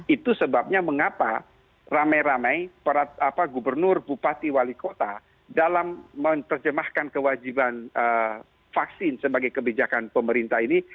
itu sebabnya mengapa ramai ramai para gubernur bupati wali kota dalam menerjemahkan kewajiban vaksin sebagai kebijakan pemerintah ini